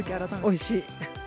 おいしい。